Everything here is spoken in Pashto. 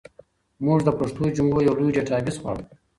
موږ د پښتو جملو یو لوی ډیټابیس غواړو.